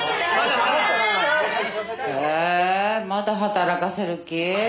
まだ働かせる気？